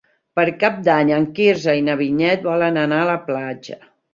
Per Cap d'Any en Quirze i na Vinyet volen anar a la platja.